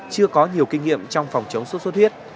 chưa có nhiều kinh nghiệm trong phòng chống sốt xuất huyết